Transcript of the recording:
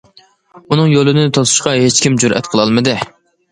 ئۇنىڭ يولىنى توسۇشقا ھېچكىم جۈرئەت قىلالمىدى.